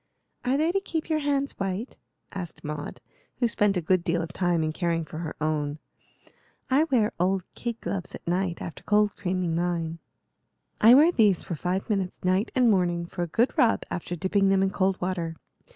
"Are they to keep your hands white?" asked Maud, who spent a good deal of time in caring for her own. "I wear old kid gloves at night after cold creaming mine." "I wear these for five minutes night and morning, for a good rub, after dipping them in cold water.